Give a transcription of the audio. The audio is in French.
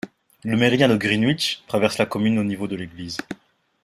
Le méridien de Greenwich traverse la commune au niveau de l'église.